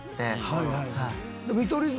はいはいはい。